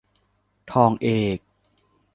ทองเอก